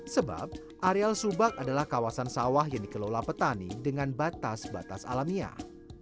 sebab areal subak adalah kawasan sawah yang dikelola petani dengan batas batas alamiah